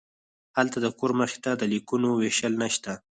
هلته د کور مخې ته د لیکونو ویشل نشته